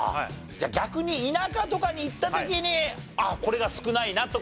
じゃあ逆に田舎とかに行った時にこれが少ないなとかって。